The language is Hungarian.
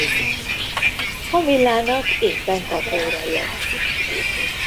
Kamillának éppen kapóra jön.